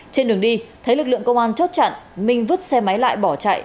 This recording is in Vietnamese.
trên đường đi thấy lực lượng công an chốt chặn minh vứt xe máy lại bỏ chạy